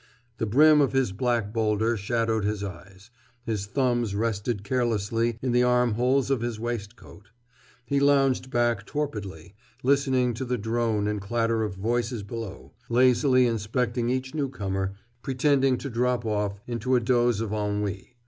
The brim of his black boulder shadowed his eyes. His thumbs rested carelessly in the arm holes of his waistcoat. He lounged back torpidly, listening to the drone and clatter of voices below, lazily inspecting each newcomer, pretending to drop off into a doze of ennui.